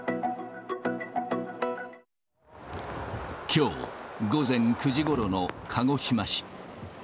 きょう午前９時ごろの鹿児島市。